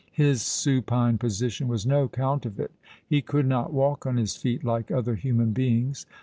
His supine position was no counterfeit: he could not walk on his feet like other human beings.